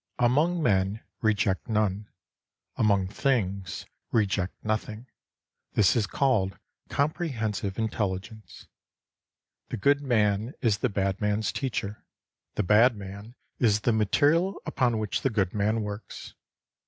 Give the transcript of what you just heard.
Among men, reject none ; among things, reject nothing. This is called comprehensive intelligence. The good man is the bad man's teacher ; the 48 bad man is the material upon which the good man works.